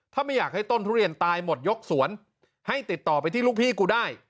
ถ้าไม่อยากให้ต้นทุเรียนตายหมดยกสวนให้ติดต่อไปที่ลูกพี่กูได้